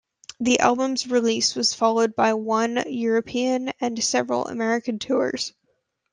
The album's release was followed by one European and several American tours.